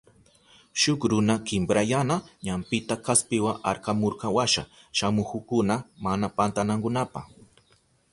Shuk runa kinkrayana ñampita kaspiwa arkamurka washa shamuhukkuna mana pantanankunapa.